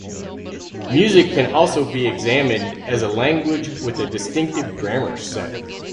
Music can also be examined as a language with a distinctive grammar set.